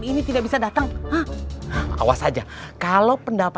interjet ya kawannya